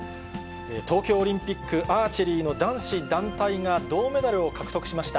東京オリンピックアーチェリーの男子団体が銅メダルを獲得しました。